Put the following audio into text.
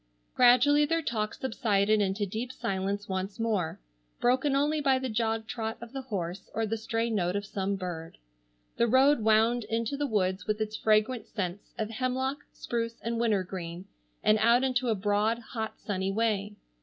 Gradually their talk subsided into deep silence once more, broken only by the jog trot of the horse or the stray note of some bird. The road wound into the woods with its fragrant scents of hemlock, spruce and wintergreen, and out into a broad, hot, sunny way.